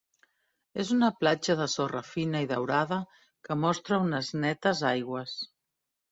És una platja de sorra fina i daurada que mostra unes netes aigües.